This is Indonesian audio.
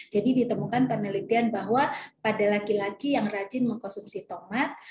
jadi ditemukan penelitian bahwa pada laki laki yang rajin mengkonsumsi tomat